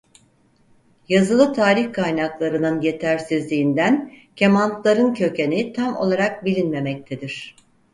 Yazılı tarih kaynaklarının yetersizliğinden Kemantların kökeni tam olarak bilinmemektedir.